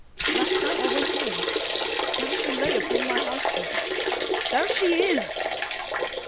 Last night, I went home. There she lay upon my har stone! There she is!